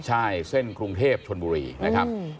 ใช่เส้นกรุงเทพชนบุรีนะครับ